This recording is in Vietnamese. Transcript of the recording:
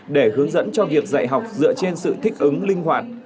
để hướng dẫn cho việc dạy học dựa trên sự thích ứng linh hoạt